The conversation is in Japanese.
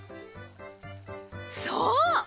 そう！